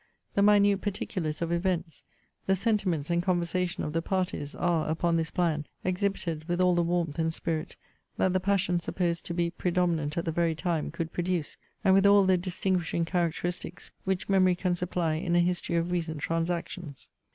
The minute particulars of events, the sentiments and conversation of the parties, are, upon this plan, exhibited with all the warmth and spirit that the passion supposed to be predominant at the very time could produce, and with all the distinguishing characteristics which memory can supply in a history of recent transactions.